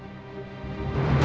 aku sudah berpikir